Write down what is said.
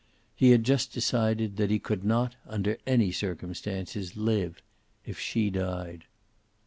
He had just decided that he could not, under any circumstances, live if she died.